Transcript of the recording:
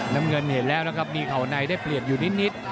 น้ำเงินเห็นแล้วนะครับมีเข่าในได้เปรียบอยู่นิด